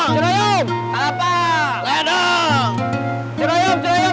sampai jumpa di video selanjutnya